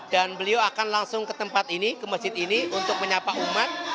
dan beliau akan langsung ke tempat ini ke masjid ini untuk menyapa umat